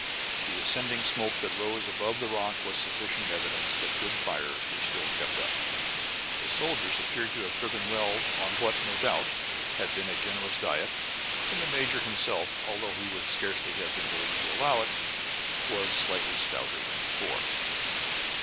The ascending smoke that rose above the rock was sufficient evidence that good fires were still kept up; the soldiers appeared to have thriven well on what, no doubt, had been a generous diet, and the major himself, although he would scarcely have been willing to allow it, was slightly stouter than before.